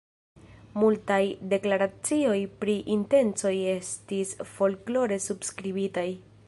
Multaj deklaracioj pri intencoj estis folklore subskribitaj.